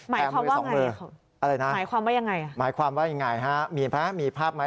แผ่มือสองมืออะไรนะครับหมายความว่ายังไงฮะมีภาพไหม